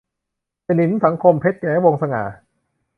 สนิมสังคม - เพ็ญแข วงศ์สง่า